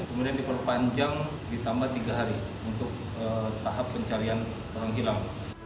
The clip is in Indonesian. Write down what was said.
kemudian diperpanjang ditambah tiga hari untuk tahap pencarian orang hilang